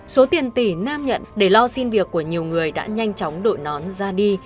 số tiền tỷ nam nhận để lo xin việc của nhiều người đã nhanh chóng đội nón ra đi